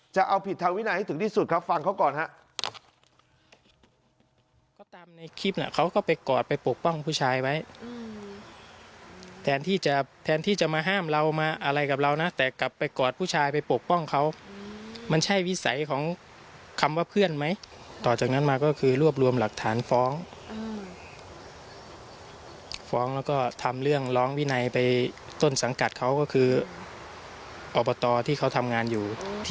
จะเอาผิดทางวินัยให้ถึงที่สุดครับฟังเขาก่อนครับ